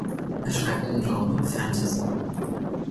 Er schreibt im Genre Fantasy.